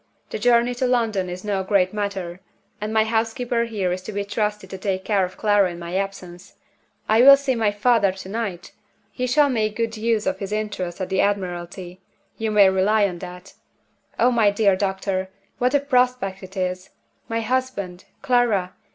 The journey to London is no great matter and my housekeeper here is to be trusted to take care of Clara in my absence. I will see my father to night! He shall make good use of his interest at the Admiralty you may rely on that. Oh, my dear doctor, what a prospect it is! My husband! Clara!